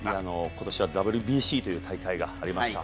今年はＷＢＣという大会がありました。